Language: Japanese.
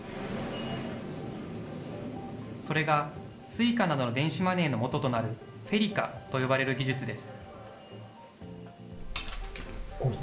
それがＳｕｉｃａなどの電子マネーのもととなる、フェリカと呼ばれる技術です。